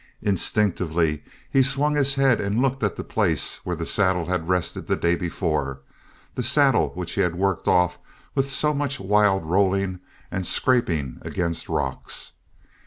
Instinctively he swung his head and looked at the place where the saddle had rested the day before, the saddle which he had worked off with so much wild rolling and scraping against rocks.